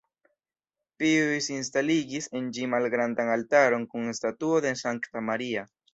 Pijus instaligis en ĝi malgrandan altaron kun statuo de Sankta Maria.